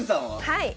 はい！